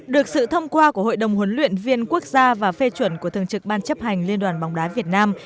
được sự thông qua của hội đồng huấn luyện viên quốc gia và phê chuẩn của thường trực ban chấp hành liên đoàn bóng đá việt nam